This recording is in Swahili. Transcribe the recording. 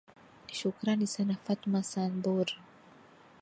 shukrani sana fatma san mbur